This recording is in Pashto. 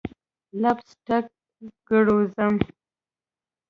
لپ سټک ګرزوم